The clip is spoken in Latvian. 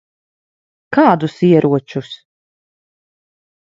Kādus ieročus?